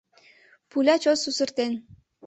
Пуля чот сусыртен.